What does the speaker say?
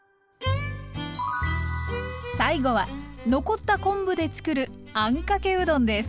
最後は残った昆布でつくるあんかけうどんです。